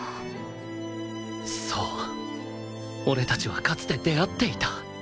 そう俺たちはかつて出会っていた